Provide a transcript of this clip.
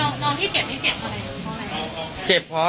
ค่ะน้องที่เจ็บไม่เจ็บเหรอ